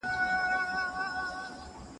د انسانژغورنې